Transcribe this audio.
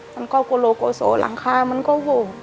มันก็โกโลโกโสหลังคามันก็ห่ม